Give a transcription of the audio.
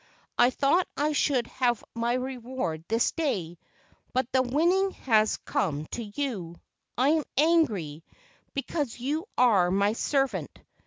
I thought I should have my reward this day, but the win¬ ning has come to you. I am angry, because you are my servant.